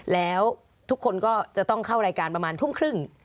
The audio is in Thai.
แล้วทุกคนก็จะต้องเข้ารายการประมาณทุ่มครึ่ง